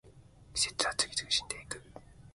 季節は次々死んでいく